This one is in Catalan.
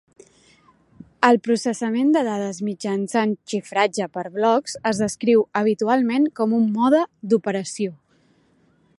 El processament de dades mitjançant xifratge per blocs es descriu habitualment com un mode d'operació.